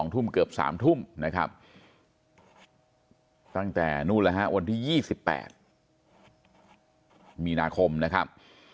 ๒ทุ่มเกือบ๓ทุ่มนะครับตั้งแต่วันที่๒๘มีนาคมนะครับ